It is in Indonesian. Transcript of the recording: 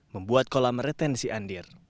membuat kolam retensi andir